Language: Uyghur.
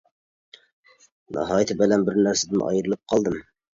ناھايىتى بەلەن بىر نەرسىدىن ئايرىلىپ قالدىم.